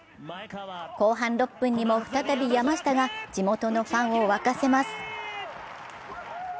後半６分にも再び山下が地元のファンを沸かします。